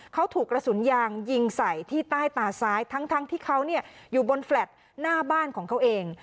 เขาถูกกระสุนยางยิงใส่ที่ใต้ตาซ้ายทั้งที่เขาอยู่บนแฟลต์หน้าบ้านของเขาเอง